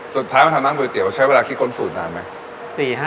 สุดท้ายมาทำร้านก๋วยเตี๋ยวใช้เวลาคิดค้นสูตรนานไหม